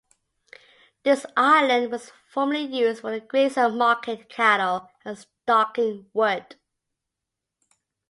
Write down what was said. This island was formerly used for the grazing of market cattle and stocking wood.